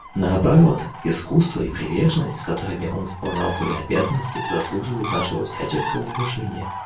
Наоборот, искусство и приверженность, с которыми он исполнял свои обязанности, заслуживают нашего всяческого уважения.